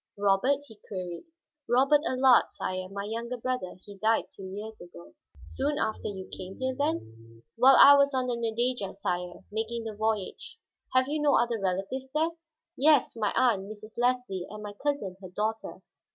"Robert?" he queried. "Robert Allard, sire, my younger brother. He died two years ago." "Soon after you came here, then?" "While I was on the Nadeja, sire, making the voyage." "Have you no other relatives there?" "Yes; my aunt, Mrs. Leslie, and my cousin, her daughter."